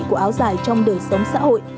của áo giải trong đời sống xã hội